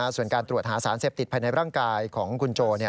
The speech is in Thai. ส่วนการตรวจหาสารเสพติดภายในร่างกายของคุณโจ